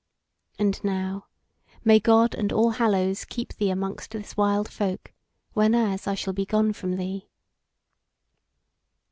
And now may God and All Hallows keep thee amongst this wild folk, whenas I shall be gone from thee."